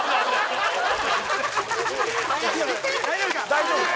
大丈夫ね？